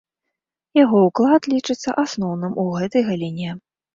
Яго ўклад лічыцца асноўным у гэтай галіне.